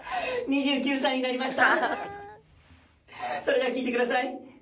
それでは聴いて下さい！